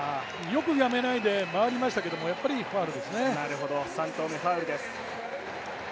よくやめないで回りましたけど、やっぱりファウルですね。